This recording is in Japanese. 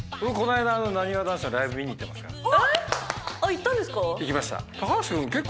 行ったんですか。